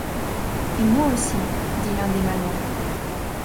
Et moi aussi, dit l’un des malouins.